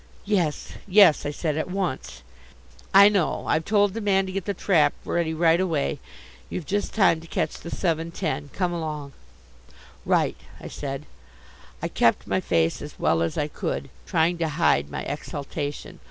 "Yes, yes," I said, "at once." "I know. I've told the man to get the trap ready right away. You've just time to catch the seven ten. Come along." "Right," I said. I kept my face as well as I could, trying to hide my exultation.